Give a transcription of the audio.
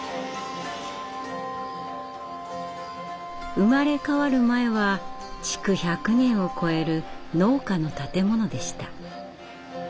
生まれ変わる前は築１００年を超える農家の建物でした。